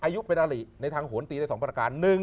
อายุเป็นอริในทางโหนตีได้๒ประการ